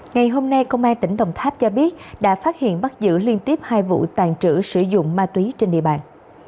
ngày hôm nay công an tỉnh đồng tháp cho biết đã phát hiện bắt giữ liên tiếp hai vụ tàn trữ sử dụng ma túy trên địa bàn